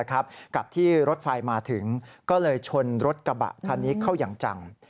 กับที่รถไฟมาถึงก็เลยชนรถกระบะคันนี้เข้าอย่างจัง